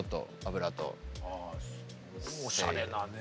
おしゃれなね。